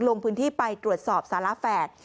ลงพื้นที่ไปตรวจสอบสาระแฝด